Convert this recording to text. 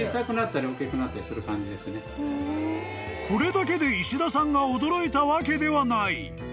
［これだけで石田さんが驚いたわけではない］